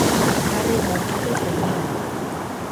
Harri eta brontzez egina dago.